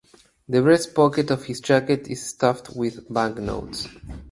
The breast pocket of his jacket is stuffed with banknotes.